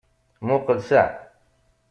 Muqel san!